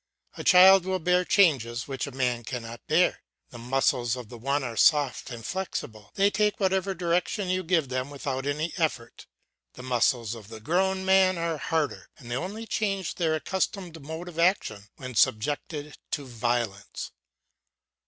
A child will bear changes which a man cannot bear, the muscles of the one are soft and flexible, they take whatever direction you give them without any effort; the muscles of the grown man are harder and they only change their accustomed mode of action when subjected to violence.